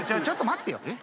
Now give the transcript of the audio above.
ちょっと待ってよ。